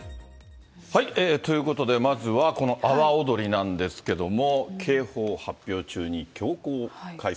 ということで、まずは、この阿波おどりなんですけども、警報発表中に強行開催。